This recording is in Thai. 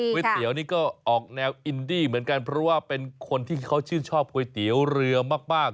ก๋วยเตี๋ยวนี่ก็ออกแนวอินดี้เหมือนกันเพราะว่าเป็นคนที่เขาชื่นชอบก๋วยเตี๋ยวเรือมาก